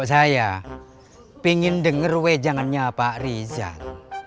kalo saya pingin denger wijangannya pak rizal